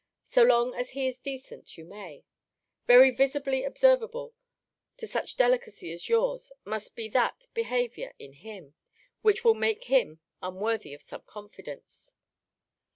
So long as he is decent, you may. Very visibly observable, to such delicacy as yours, must be that behaviour in him, which will make him unworthy of some confidence.